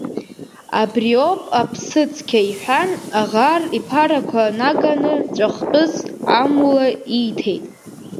Абри иоуп аԥсыцқьа, — иҳәан аӷар иԥарақәа наганы ҵәахтәыс амула ииҭеит.